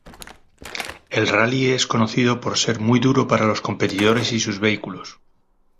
El rally es conocido por ser muy duro para los competidores y sus vehículos.